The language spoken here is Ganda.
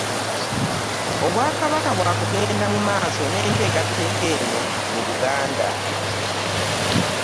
Obwakabaka bwa kugenda mu maaso n'enteekateeka eno mu Buganda